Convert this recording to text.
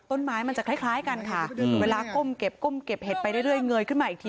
ต้นไม้มันจะคล้ายคล้ายกันค่ะอืมเวลาก้มเก็บก้มเก็บเห็ดไปเรื่อยเรื่อยเงยขึ้นมาอีกที